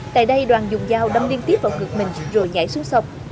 tại đây đoàn dùng dao đâm liên tiếp vào ngực mình rồi nhảy xuống sọc